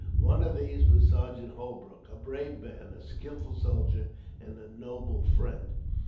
One of these was Sergeant Holbrook, a brave man, a skillful soldier and a noble friend.